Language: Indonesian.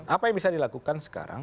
apa yang bisa dilakukan sekarang